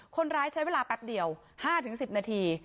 คนร้ายใช้เวลาแป๊บเดียว๕๑๐นาที